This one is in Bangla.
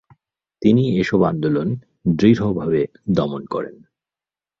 তিনি এসব আন্দোলন দৃঢ়ভাবে দমন করেন।